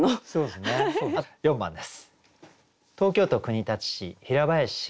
４番です。